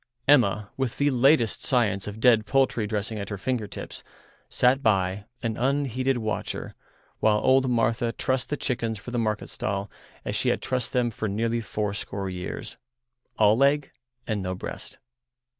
Emma, with the latest science of dead poultry dressing at her finger tips, sat by, an unheeded watcher, while old Martha trussed the chickens for the market stall as she had trussed them for nearly fourscore years—all leg and no breast.